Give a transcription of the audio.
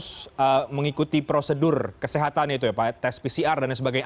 harus mengikuti prosedur kesehatan itu ya pak tes pcr dan sebagainya